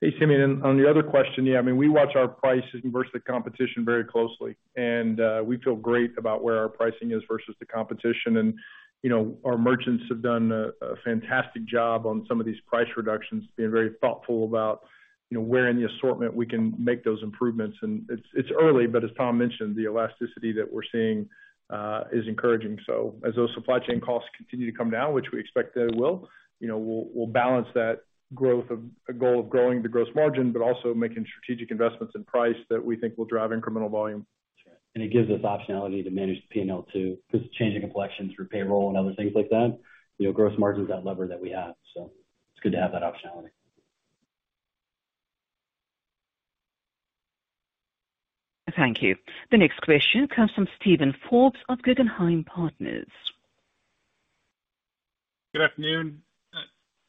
Hey, Simeon, on the other question. Yeah, I mean, we watch our prices versus the competition very closely, and we feel great about where our pricing is versus the competition. You know, our merchants have done a fantastic job on some of these price reductions, being very thoughtful about, you know, where in the assortment we can make those improvements. It's early, but as Tom mentioned, the elasticity that we're seeing is encouraging. As those supply chain costs continue to come down, which we expect that it will, you know, we'll balance that goal of growing the gross margin, but also making strategic investments in price that we think will drive incremental volume. it gives us optionality to manage P&L too, because changing collections through payroll and other things like that, you know, gross margin is that lever that we have. it's good to have that optionality. Thank you. The next question comes from Steven Forbes of Guggenheim Partners. Good afternoon,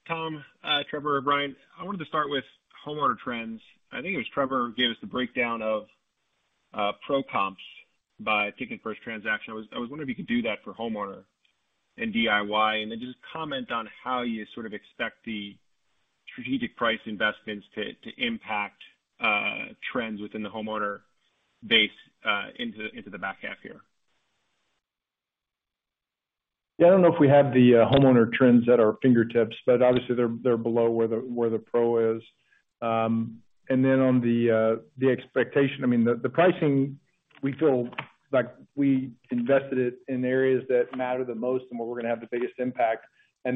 Tom, Trevor, Bryan. I wanted to start with homeowner trends. I think it was Trevor who gave us the breakdown of pro comps by ticket first transaction. I was wondering if you could do that for homeowner and DIY, and then just comment on how you sort of expect the strategic price investments to impact trends within the homeowner base into the back half here. Yeah, I don't know if we have the homeowner trends at our fingertips, but obviously they're below where the PRO is. Then on the expectation, I mean, the pricing we feel like we invested it in areas that matter the most and where we're gonna have the biggest impact. Some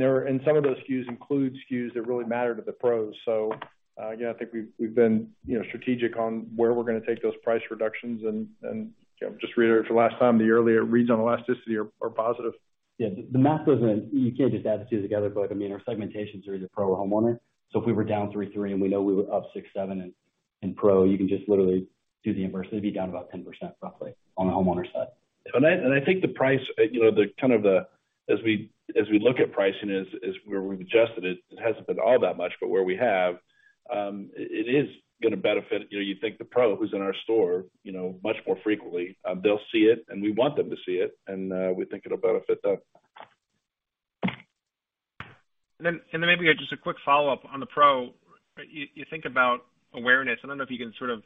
of those SKUs include SKUs that really matter to the PROs. Again, I think we've been, you know, strategic on where we're gonna take those price reductions. Just to reiterate for the last time, the earlier reads on elasticity are positive. Yeah. The math goes in. You can't just add the two together. I mean, our segmentations are either pro or homeowner. If we were down 3%, and we know we were up 6%-7% in pro, you can just literally do the inverse. It'd be down about 10% roughly on the homeowner side. I think the price, you know, as we look at pricing is where we've adjusted it. It hasn't been all that much, but where we have, it is gonna benefit. You know, you think the pro who's in our store, you know, much more frequently, they'll see it, and we want them to see it, and we think it'll benefit them. Then maybe just a quick follow-up on the PRO. You think about awareness. I don't know if you can sort of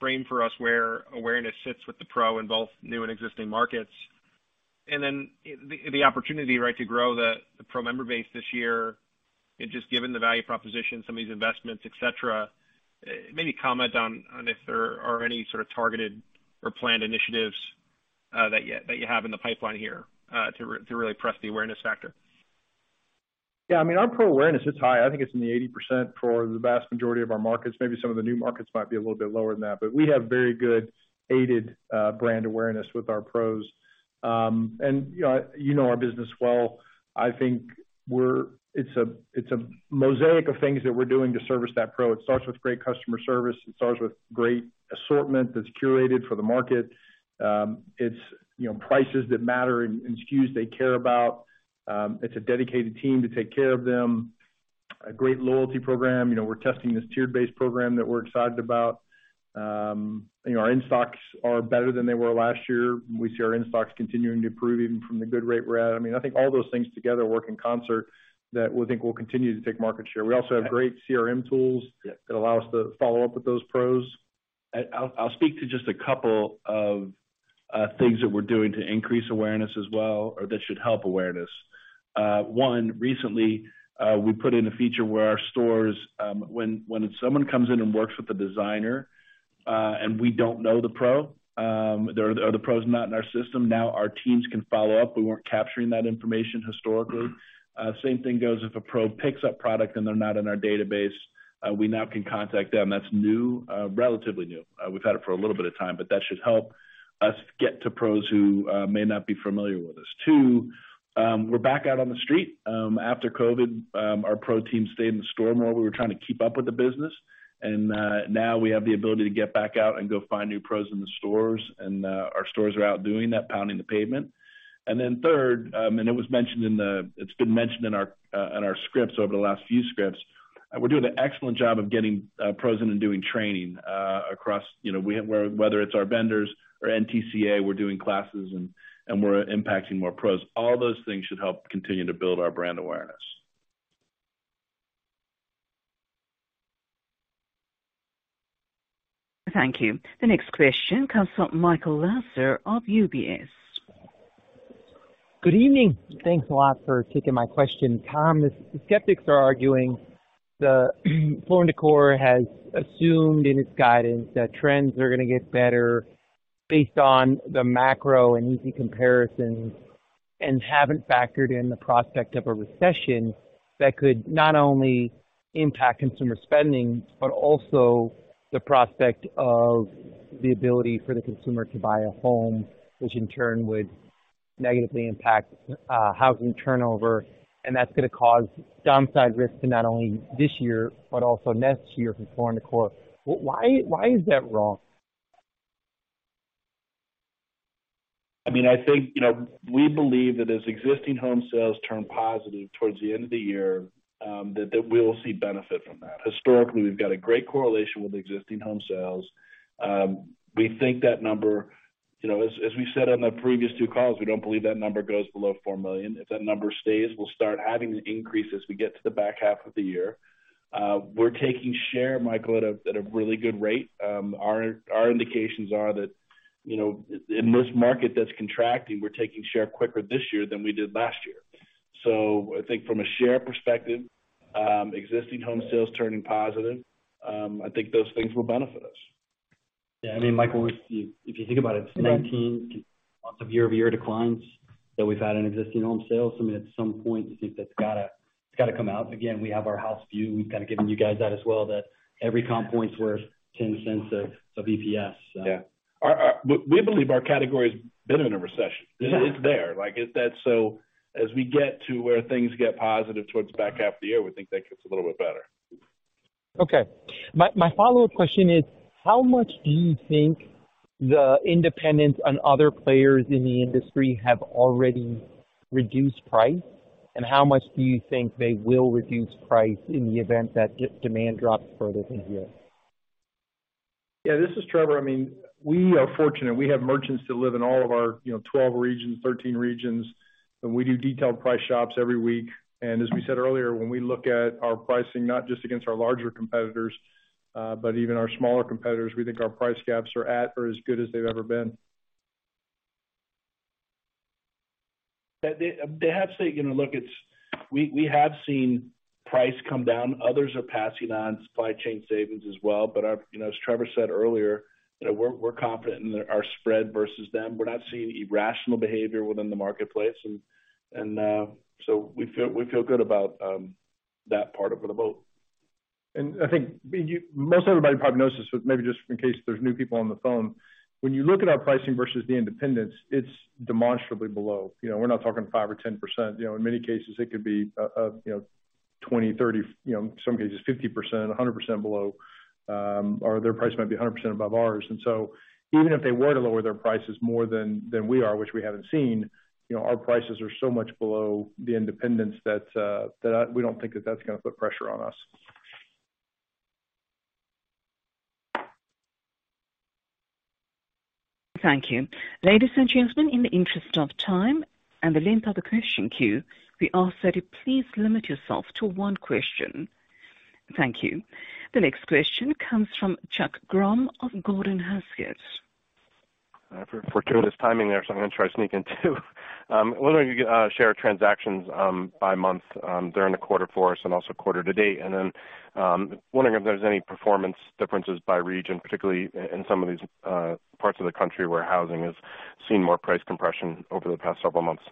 frame for us where awareness sits with the PRO in both new and existing markets? Then the opportunity, right, to grow the PRO member base this year, and just given the value proposition, some of these investments, et cetera. Maybe comment on if there are any sort of targeted or planned initiatives that you have in the pipeline here to really press the awareness factor. Yeah. I mean, our pro awareness is high. I think it's in the 80% for the vast majority of our markets. Maybe some of the new markets might be a little bit lower than that, but we have very good aided brand awareness with our pros. You know, you know our business well. I think it's a, it's a mosaic of things that we're doing to service that pro. It starts with great customer service. It starts with great assortment that's curated for the market. It's, you know, prices that matter and SKUs they care about. It's a dedicated team to take care of them. A great loyalty program. You know, we're testing this tiered-based program that we're excited about. Our in-stocks are better than they were last year. We see our in-stocks continuing to improve even from the good rate we're at. I mean, I think all those things together work in concert that we think will continue to take market share. We also have great CRM tools. Yeah. that allow us to follow up with those pros. I'll speak to just a couple of things that we're doing to increase awareness as well, or that should help awareness. One, recently, we put in a feature where our stores, when someone comes in and works with a designer, and we don't know the pro, the other pro's not in our system, now our teams can follow up. We weren't capturing that information historically. Same thing goes if a pro picks up product and they're not in our database, we now can contact them. That's new, relatively new. We've had it for a little bit of time, but that should help us get to pros who may not be familiar with us. Two, we're back out on the street. After COVID, our pro team stayed in the store more. We were trying to keep up with the business. Now we have the ability to get back out and go find new pros in the stores. Our stores are out doing that, pounding the pavement. Then third, it's been mentioned in our scripts over the last few scripts. We're doing an excellent job of getting pros in and doing training across, you know, whether it's our vendors or NTCA, we're doing classes and we're impacting more pros. All those things should help continue to build our brand awareness. Thank you. The next question comes from Michael Lasser of UBS. Good evening. Thanks a lot for taking my question. Tom, the skeptics are arguing the Floor & Decor has assumed in its guidance that trends are gonna get better based on the macro and easy comparisons and haven't factored in the prospect of a recession that could not only impact consumer spending, but also the prospect of the ability for the consumer to buy a home, which in turn would negatively impact housing turnover. That's gonna cause downside risks to not only this year, but also next year for Floor & Decor. Why is that wrong? I mean, I think, you know, we believe that as existing home sales turn positive towards the end of the year, that we'll see benefit from that. Historically, we've got a great correlation with existing home sales. We think that number, you know, as we said on the previous two calls, we don't believe that number goes below $4 million. If that number stays, we'll start adding the increase as we get to the back half of the year. We're taking share, Michael, at a really good rate. Our indications are that, you know, in this market that's contracting, we're taking share quicker this year than we did last year. I think from a share perspective, existing home sales turning positive, I think those things will benefit us. I mean, Michael, if you think about it, 19 months of year-over-year declines that we've had in existing home sales, I mean, at some point you think that's gotta come out. We have our house view. We've kind of given you guys that as well, that every comp point's worth $0.10 of EPS, so. Yeah. We believe our category's been in a recession. Yeah. It's there. Like, it's that. As we get to where things get positive towards the back half of the year, we think that gets a little bit better. Okay. My follow-up question is, how much do you think the independents and other players in the industry have already reduced price? How much do you think they will reduce price in the event that de-demand drops further from here? Yeah, this is Trevor. I mean, we are fortunate. We have merchants that live in all of our, you know, 12 regions, 13 regions, and we do detailed price shops every week. As we said earlier, when we look at our pricing, not just against our larger competitors, but even our smaller competitors, we think our price gaps are at or as good as they've ever been. You know, look, we have seen price come down. Others are passing on supply chain savings as well. You know, as Trevor said earlier, you know, we're confident in our spread versus them. We're not seeing irrational behavior within the marketplace. We feel good about that part of the boat. I think most everybody probably knows this, but maybe just in case there's new people on the phone. When you look at our pricing versus the independents, it's demonstrably below. You know, we're not talking 5% or 10%. You know, in many cases it could be, you know, 20, 30, in some cases 50%, 100% below, or their price might be 100% above ours. Even if they were to lower their prices more than we are, which we haven't seen, you know, our prices are so much below the independents that we don't think that that's gonna put pressure on us. Thank you. Ladies and gentlemen, in the interest of time and the length of the question queue, we ask that you please limit yourself to one question. Thank you. The next question comes from Chuck Grom of Gordon Haskett. Fortuitous timing there, I'm gonna try to sneak in 2. Wondering if you could share transactions by month during the quarter for us and also quarter to date. Then, wondering if there's any performance differences by region, particularly in some of these parts of the country where housing has seen more price compression over the past several months.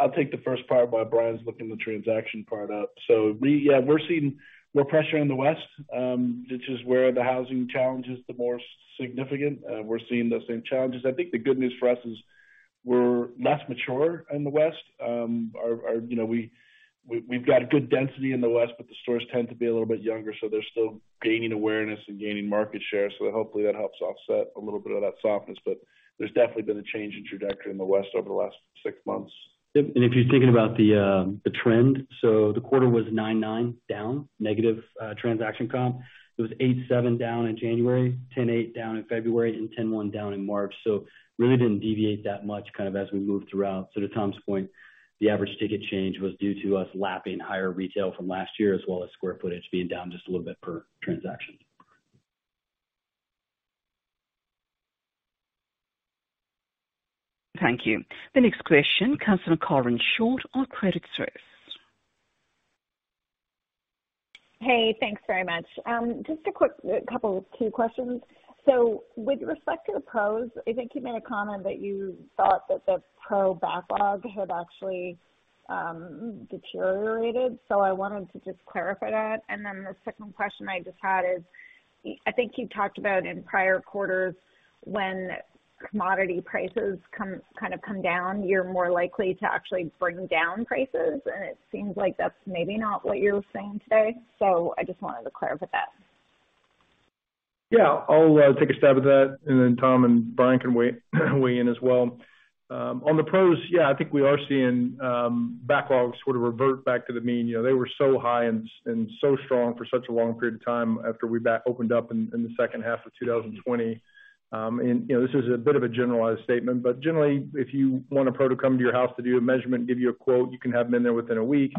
I'll take the first part while Bryan's looking the transaction part up. Yeah, we're seeing more pressure in the West, which is where the housing challenge is the more significant. We're seeing those same challenges. I think the good news for us is we're less mature in the West. Our, you know, we've got good density in the West, but the stores tend to be a little bit younger, so they're still gaining awareness and gaining market share. Hopefully that helps offset a little bit of that softness. There's definitely been a change in trajectory in the West over the last 6 months. Yep. If you're thinking about the trend, the quarter was 9.9% down, negative transaction comp. It was 8.7% down in January, 10.8% down in February, and 10.1% down in March. Really didn't deviate that much kind of as we moved throughout. To Tom's point, the average ticket change was due to us lapping higher retail from last year, as well as square footage being down just a little bit per transaction. Thank you. The next question comes from Karen Short of Credit Suisse. Hey, thanks very much. Just a quick couple, two questions. With respect to the pros, I think you made a comment that you thought that the pro backlog had actually deteriorated. I wanted to just clarify that. The second question I just had is, I think you talked about in prior quarters when commodity prices come down, you're more likely to actually bring down prices. It seems like that's maybe not what you're saying today. I just wanted to clarify that. Yeah. I'll take a stab at that, and then Tom and Bryan can weigh in as well. On the pros, yeah, I think we are seeing backlogs sort of revert back to the mean. You know, they were so high and so strong for such a long period of time after we back opened up in the second half of 2020. You know, this is a bit of a generalized statement, but generally, if you want a pro to come to your house to do a measurement, give you a quote, you can have them in there within one week,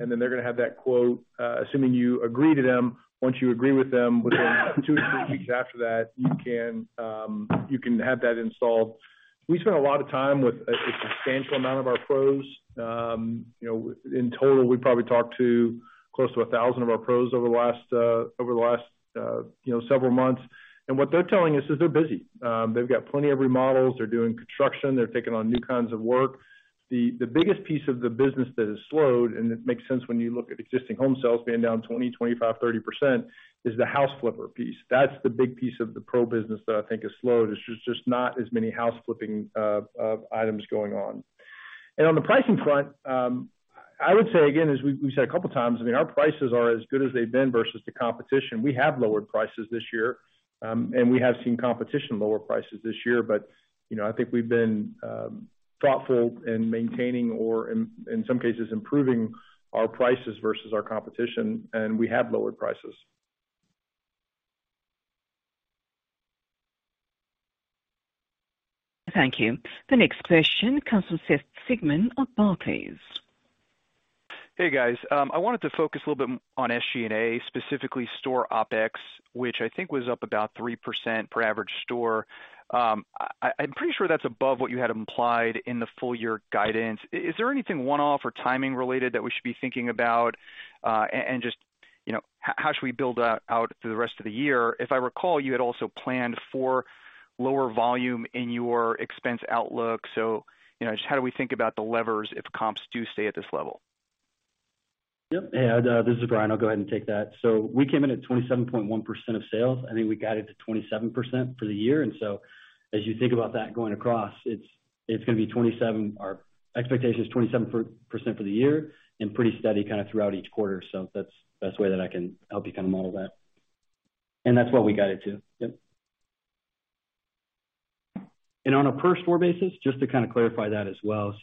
and then they're gonna have that quote, assuming you agree to them. Once you agree with them, within 2, 3 weeks after that, you can have that installed. We spent a lot of time with a substantial amount of our pros. You know, in total, we probably talked to close to 1,000 of our pros over the last, over the last, you know, several months. What they're telling us is they're busy. They've got plenty of remodels. They're doing construction. They're taking on new kinds of work. The biggest piece of the business that has slowed, and it makes sense when you look at existing home sales being down 20%, 25%, 30% is the house flipper piece. That's the big piece of the pro business that I think has slowed. There's just not as many house flipping items going on. On the pricing front, I would say, again, as we've said a couple times, I mean, our prices are as good as they've been versus the competition. We have lowered prices this year, and we have seen competition lower prices this year. You know, I think we've been thoughtful in maintaining or in some cases improving our prices versus our competition, and we have lowered prices. Thank you. The next question comes from Seth Sigman of Barclays. Hey, guys. I wanted to focus a little bit on SG&A, specifically store OpEx, which I think was up about 3% per average store. I'm pretty sure that's above what you had implied in the full year guidance. Is, is there anything one-off or timing related that we should be thinking about? Just, you know, how should we build that out through the rest of the year? If I recall, you had also planned for lower volume in your expense outlook. You know, just how do we think about the levers if comps do stay at this level? Yep. Hey, this is Bryan. I'll go ahead and take that. We came in at 27.1% of sales. I think we guided to 27% for the year. As you think about that going across, it's gonna be 27. Our expectation is 27% for the year and pretty steady kinda throughout each quarter. That's the best way that I can help you kinda model that. That's what we guided to. Yep. On a per store basis, just to kinda clarify that as well.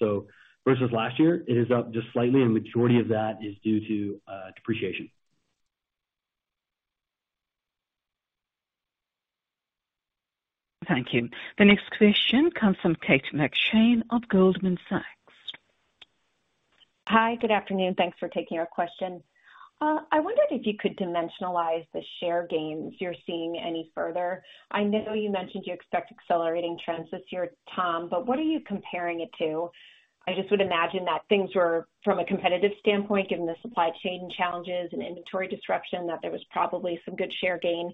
Versus last year, it is up just slightly, and majority of that is due to depreciation. Thank you. The next question comes from Kate McShane of Goldman Sachs. Hi. Good afternoon. Thanks for taking our question. I wondered if you could dimensionalize the share gains you're seeing any further. I know you mentioned you expect accelerating trends this year, Tom, but what are you comparing it to? I just would imagine that things were, from a competitive standpoint, given the supply chain challenges and inventory disruption, that there was probably some good share gain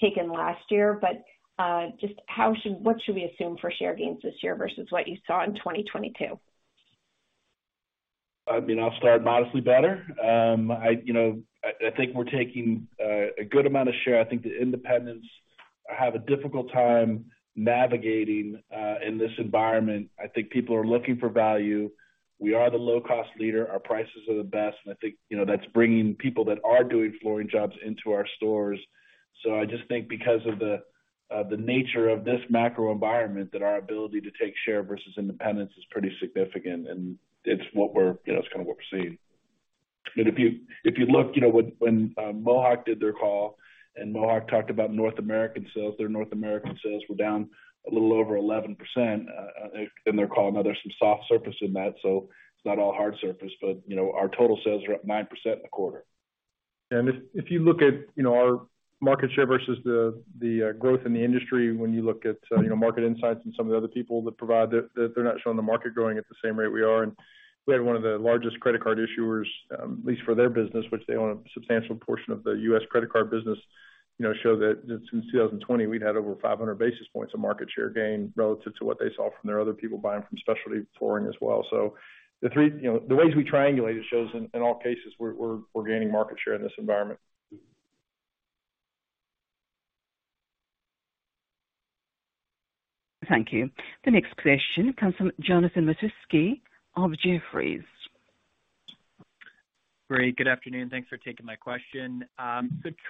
taken last year. just what should we assume for share gains this year versus what you saw in 2022? I mean, I'll start modestly better. I, you know, I think we're taking a good amount of share. I think the independents have a difficult time navigating in this environment. I think people are looking for value. We are the low cost leader. Our prices are the best. I think, you know, that's bringing people that are doing flooring jobs into our stores. I just think because of the nature of this macro environment, that our ability to take share versus independents is pretty significant, and it's what we're, you know, it's kinda what we're seeing. If you, if you look, you know, when Mohawk Industries, Inc. did their call and Mohawk Industries, Inc. talked about North American sales, their North American sales were down a little over 11% in their call. There's some soft surface in that, so it's not all hard surface, but, you know, our total sales are up 9% in the quarter. If you look at, you know, our market share versus the growth in the industry, when you look at, you know, market insights and some of the other people that provide that, they're not showing the market growing at the same rate we are. We had one of the largest credit card issuers, at least for their business, which they own a substantial portion of the U.S. credit card business, you know, show that since 2020, we'd had over 500 basis points of market share gain relative to what they saw from their other people buying from specialty flooring as well. You know, the ways we triangulate, it shows in all cases, we're gaining market share in this environment. Thank you. The next question comes from Jonathan Matuszewski of Jefferies. Great. Good afternoon. Thanks for taking my question.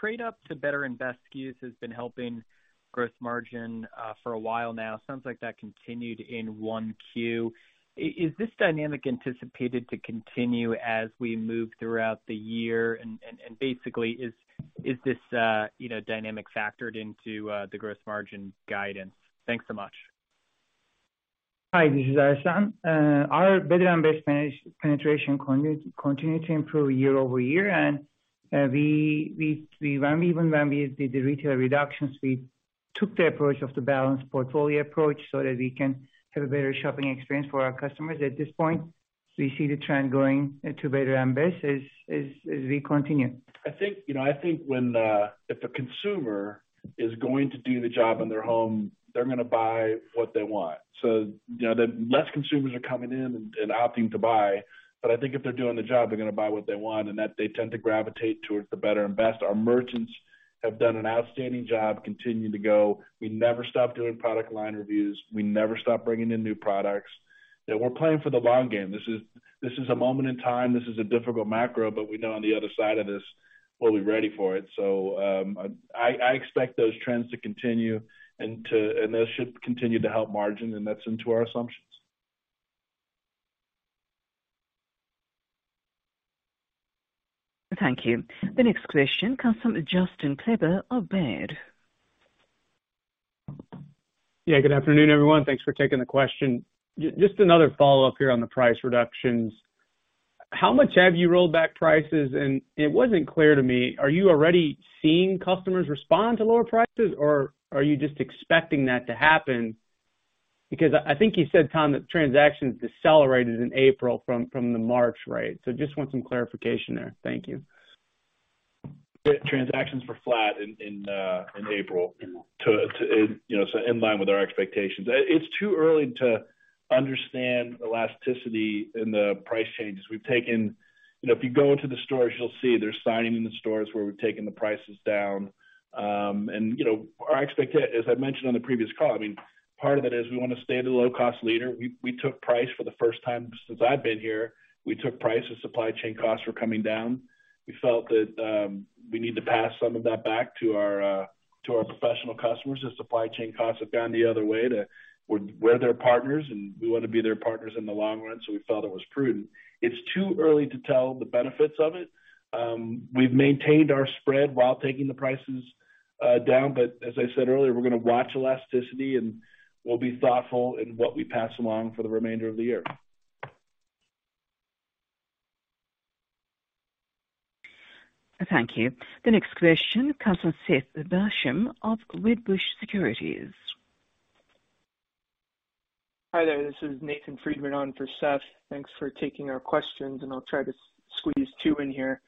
Trade up to better and best SKUs has been helping gross margin for a while now. Sounds like that continued in 1Q. Is this dynamic anticipated to continue as we move throughout the year? And basically, is this, you know, dynamic factored into the gross margin guidance? Thanks so much. Hi, this is Ersan. Our better and best penetration continue to improve year-over-year. We run even when we did the retail reductions, we took the approach of the balanced portfolio approach so that we can have a better shopping experience for our customers. At this point, we see the trend going to better and best as we continue. I think, you know, I think when, if a consumer is going to do the job in their home, they're gonna buy what they want. You know, the less consumers are coming in and opting to buy. I think if they're doing the job, they're gonna buy what they want and that they tend to gravitate towards the better and best. Our merchants have done an outstanding job continuing to go. We never stop doing product line reviews. We never stop bringing in new products. You know, we're playing for the long game. This is, this is a moment in time. This is a difficult macro, but we know on the other side of this, we'll be ready for it. I expect those trends to continue and those should continue to help margin, and that's into our assumptions. Thank you. The next question comes from Justin Kleber of Baird. Yeah. Good afternoon, everyone. Thanks for taking the question. Just another follow-up here on the price reductions. How much have you rolled back prices? It wasn't clear to me, are you already seeing customers respond to lower prices, or are you just expecting that to happen? I think you said, Tom, that transactions decelerated in April from the March rate. Just want some clarification there. Thank you. Transactions were flat in April to, you know, so in line with our expectations. It's too early to understand elasticity in the price changes. You know, if you go into the stores, you'll see there's signing in the stores where we've taken the prices down. You know, as I mentioned on the previous call, I mean, part of it is we wanna stay the low cost leader. We took price for the first time since I've been here. We took price as supply chain costs were coming down. We felt that we need to pass some of that back to our customers. To our professional customers, as supply chain costs have gone the other way. We're their partners, and we wanna be their partners in the long run, so we felt it was prudent. It's too early to tell the benefits of it. We've maintained our spread while taking the prices down, but as I said earlier, we're gonna watch elasticity, and we'll be thoughtful in what we pass along for the remainder of the year. Thank you. The next question comes from Seth Basham of Wedbush Securities. Hi there. This is Nathan Friedman on for Seth. Thanks for taking our questions, and I'll try to squeeze two in here.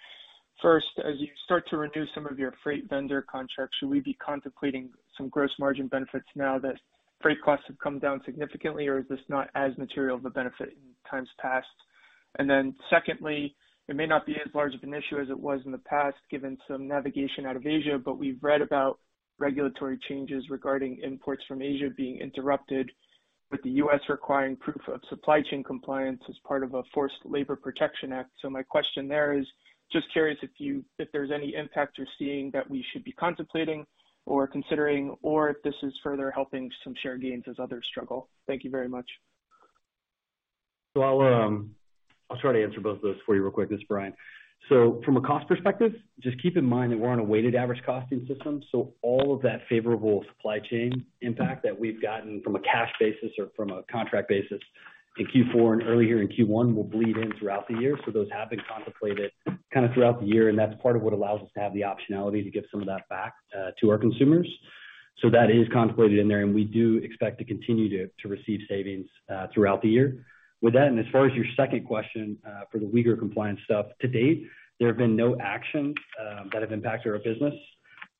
First, as you start to renew some of your freight vendor contracts, should we be contemplating some gross margin benefits now that freight costs have come down significantly, or is this not as material of a benefit in times past? Secondly, it may not be as large of an issue as it was in the past given some navigation out of Asia, but we've read about regulatory changes regarding imports from Asia being interrupted with the U.S. requiring proof of supply chain compliance as part of a Forced Labor Protection Act. My question there is, just curious if there's any impact you're seeing that we should be contemplating or considering, or if this is further helping some share gains as others struggle. Thank you very much. I'll try to answer both of those for you real quick. This is Bryan. From a cost perspective, just keep in mind that we're on a weighted average costing system, so all of that favorable supply chain impact that we've gotten from a cash basis or from a contract basis in Q4 and earlier in Q1 will bleed in throughout the year. Those have been contemplated kinda throughout the year, and that's part of what allows us to have the optionality to give some of that back to our consumers. That is contemplated in there, and we do expect to continue to receive savings throughout the year. With that, as far as your second question, for the Uyghur compliance stuff, to date, there have been no actions that have impacted our business.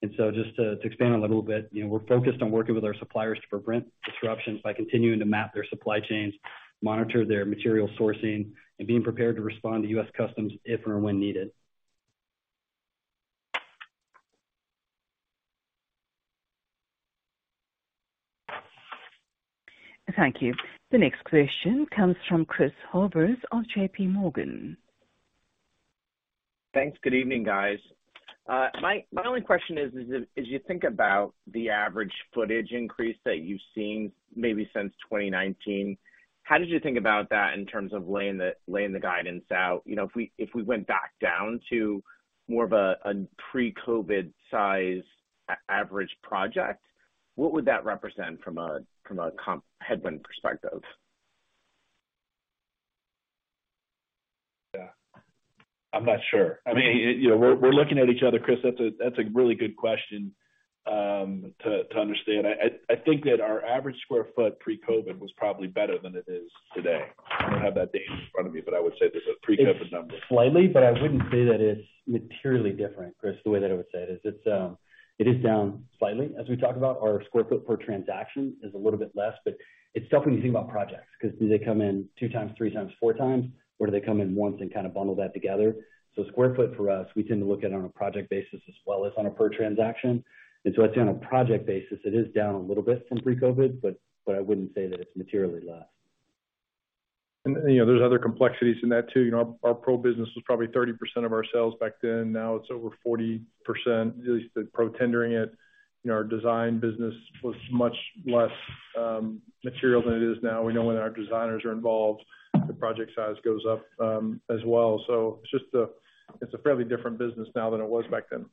Just to expand on that a little bit, you know, we're focused on working with our suppliers to prevent disruptions by continuing to map their supply chains, monitor their material sourcing, and being prepared to respond to U.S. Customs if or when needed. Thank you. The next question comes from Christopher Horvers of JP Morgan. Thanks. Good evening, guys. My only question is you think about the average footage increase that you've seen maybe since 2019, how did you think about that in terms of laying the guidance out? You know, if we went back down to more of a pre-COVID size average project, what would that represent from a comp headwind perspective? Yeah. I'm not sure. I mean, you know, we're looking at each other, Chris. That's a really good question, to understand. I think that our average square foot pre-COVID was probably better than it is today. I don't have that data in front of me, but I would say there's a pre-COVID number. It's slightly, but I wouldn't say that it's materially different, Chris, the way that I would say it. It is down slightly. As we talk about our square foot per transaction is a little bit less, but it's definitely when you think about projects, 'cause do they come in two times, three times, four times? Or do they come in once and kind of bundle that together? Square foot for us, we tend to look at on a project basis as well as on a per transaction. I'd say on a project basis, it is down a little bit from pre-COVID, but I wouldn't say that it's materially less. You know, there's other complexities in that too. You know, our PRO business was probably 30% of our sales back then. Now it's over 40%, at least the PRO tendering it. You know, our design business was much less material than it is now. We know when our designers are involved, the project size goes up as well. It's just a, it's a fairly different business now than it was back then.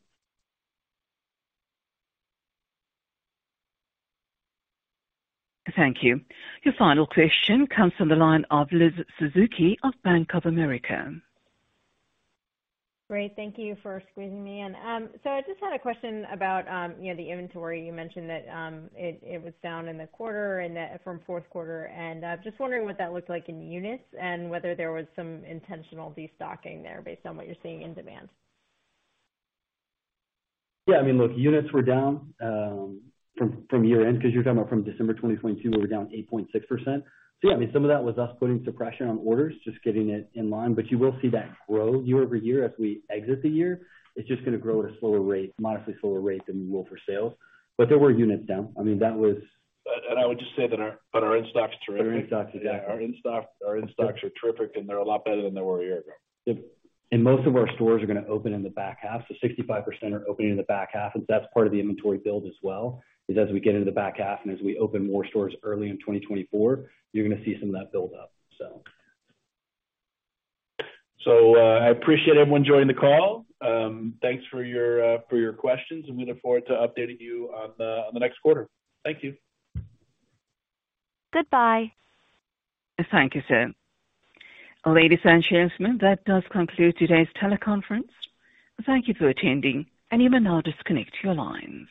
Thank you. Your final question comes from the line of Elizabeth Suzuki of Bank of America. Great. Thank you for squeezing me in. I just had a question about, you know, the inventory. You mentioned that it was down in the quarter and from fourth quarter, and I'm just wondering what that looked like in units and whether there was some intentional destocking there based on what you're seeing in demand. Yeah. I mean, look, units were down, from year-end 'cause you're talking about from December 2022, we were down 8.6%. Yeah, I mean, some of that was us putting some pressure on orders, just getting it in line. You will see that grow year-over-year as we exit the year. It's just gonna grow at a slower rate, modestly slower rate than we will for sales. There were units down. I mean, that was-. I would just say that our in-stock is terrific. Our in-stock is Yeah, our in-stock, our in-stocks are terrific, and they're a lot better than they were a year ago. Yep. Most of our stores are gonna open in the back half. 65% are opening in the back half. That's part of the inventory build as well, is as we get into the back half and as we open more stores early in 2024, you're gonna see some of that build up. I appreciate everyone joining the call. Thanks for your questions. I'm gonna forward to updating you on the next quarter. Thank you. Goodbye. Thank you, sir. Ladies and gentlemen, that does conclude today's teleconference. Thank you for attending, and you may now disconnect your lines.